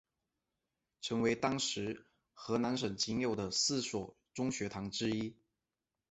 成为当时河南省仅有的四所中学堂之一。